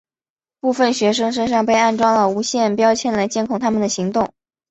部分学生身上被安装了无线标签来监控他们的行动。